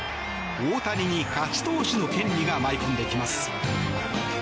大谷に、勝ち投手の権利が舞い込んできます。